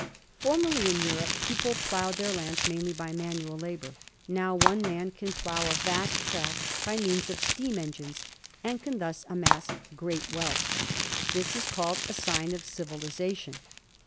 Formerly, in Europe, people ploughed their lands mainly by manual labour. Now, one man can plough a vast tract by means of steam engines, and can thus amass great wealth. This is called a sign of civilization.